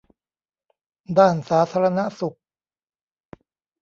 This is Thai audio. ด้านสาธารณสุข